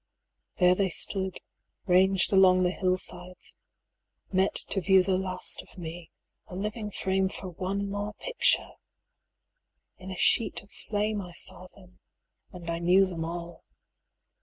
There they stood, ranged along the hillsides, met To view the last of me, a living frame 200 For one more picture! in a sheet of flame I saw them and I knew them all.